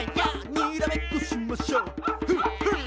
にらめっこしましょフッフ！